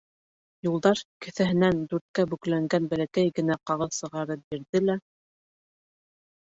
Юлдаш кеҫәһенән дүрткә бөкләнгән бәләкәй генә ҡағыҙ сығарып бирҙе лә: